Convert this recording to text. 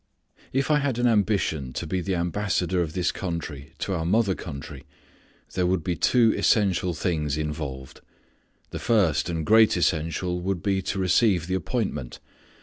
If I had an ambition to be the ambassador of this country to our mother country, there would be two essential things involved. The first and great essential would be to receive the appointment.